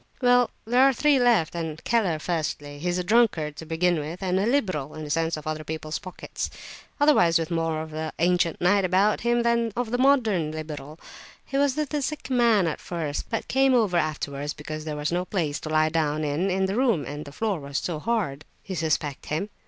"Well, there are three left, then—Keller firstly. He is a drunkard to begin with, and a liberal (in the sense of other people's pockets), otherwise with more of the ancient knight about him than of the modern liberal. He was with the sick man at first, but came over afterwards because there was no place to lie down in the room and the floor was so hard." "You suspect him?"